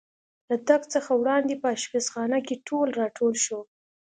له تګ څخه وړاندې په اشپزخانه کې ټول را ټول شو.